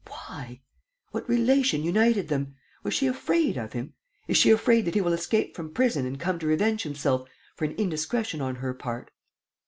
... Why? What relation united them? Was she afraid of him? Is she afraid that he will escape from prison and come to revenge himself for an indiscretion on her part?"